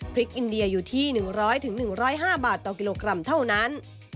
อินเดียอยู่ที่๑๐๐๑๐๕บาทต่อกิโลกรัมเท่านั้น